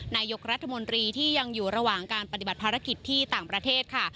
นายกรัฐมนตรีที่ยังอยู่ระหว่างการปฏิบัติภารกิจที่ต่างประเทศค่ะ